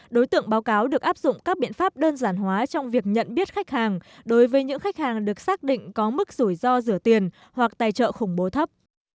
đối tượng báo cáo được áp dụng các biện pháp đơn giản hóa trong việc nhận biết khách hàng đối với những khách hàng được xác định có mức rủi ro rửa tiền hoặc tài trợ khủng bố thấp